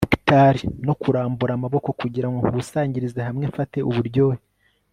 nectar no kurambura amaboko kugirango nkusanyirize hamwe mfate uburyohe